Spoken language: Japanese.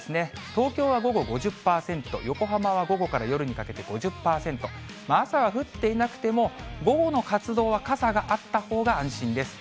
東京は午後５０％、横浜は午後から夜にかけて５０％、朝は降っていなくても、午後の活動は傘があったほうが安心です。